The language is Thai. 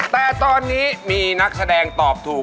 แต่ตอนนี้มีนักแสดงตอบถูก